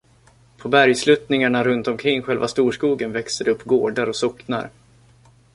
På bergsluttningarna runtomkring själva storskogen växte det upp gårdar och socknar.